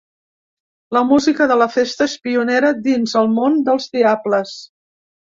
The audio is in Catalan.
La música de la festa és pionera dins el món dels diables.